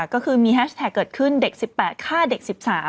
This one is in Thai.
ก็คือมีแฮชแท็กเกิดขึ้นเด็ก๑๘ฆ่าเด็ก๑๓